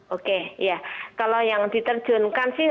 oke ya kalau yang diterjunkan sih